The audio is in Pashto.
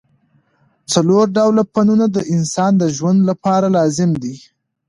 څلور ډوله فنون د انسان د ژوند له پاره لازم دي.